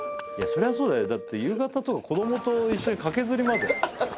いやそりゃあそうだよだって夕方とか子どもと一緒に駆けずり回って。